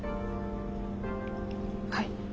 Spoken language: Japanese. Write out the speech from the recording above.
はい。